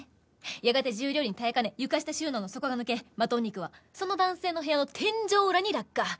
やがて重量に耐えかね床下収納の底が抜けマトン肉はその男性の部屋の天井裏に落下。